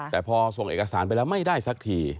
แต่พอส่งเอกสารไปแล้วไม่ได้สักที